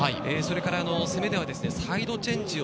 攻めではサイドチェンジを